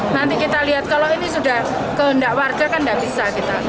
nanti kita lihat kalau ini sudah ke undang warga kita tidak bisa